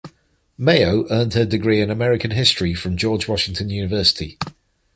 Mayo earned her degree in American History from George Washington University.